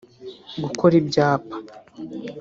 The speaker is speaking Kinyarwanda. gukora ibyapa